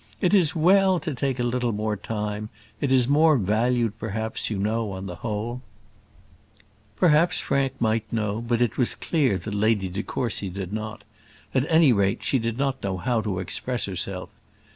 It is well to take a little more time: it is more valued; and perhaps, you know, on the whole " Perhaps Frank might know; but it was clear that Lady de Courcy did not: at any rate, she did not know how to express herself.